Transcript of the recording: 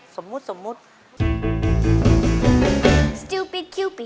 สมมุติสมมุติ